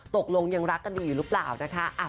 ตกลงยังรักก็ดีหรือเปล่านะคะ